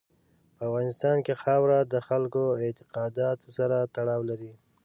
په افغانستان کې خاوره د خلکو اعتقاداتو سره تړاو لري.